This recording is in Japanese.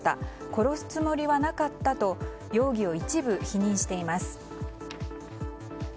殺すつもりはなかったと容疑を一部否認しています。